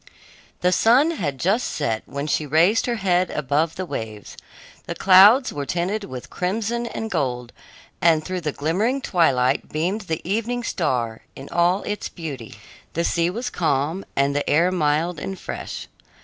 The sun had just set when she raised her head above the waves. The clouds were tinted with crimson and gold, and through the glimmering twilight beamed the evening star in all its beauty. The sea was calm, and the air mild and fresh.